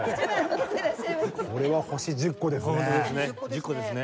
これは星１０個ですね。